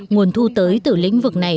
nguồn thu tới từ lĩnh vực này